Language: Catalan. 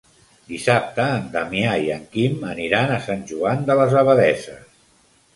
Dissabte en Damià i en Quim aniran a Sant Joan de les Abadesses.